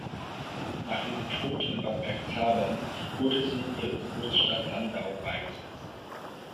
Nach ihrem Tod in Bad Bergzabern wurde sie in ihrer Geburtsstadt Landau beigesetzt.